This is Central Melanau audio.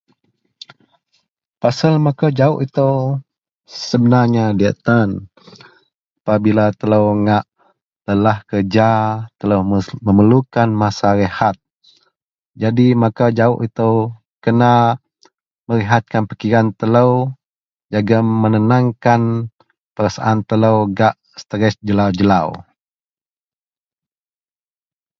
. Pasel makau jawuk itou sebenarnya diyak tan pabila telou ngak lelah kereja telou memerlukan masa rehat. Jadi makau jawuk itou kena merihatkan pikiran telou jegem menenangkan perasaan telou gak stress jelau-jelau